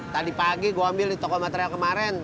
tadi pagi gue ambil di toko material kemarin